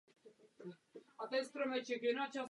Zpráva se ubírá špatným směrem.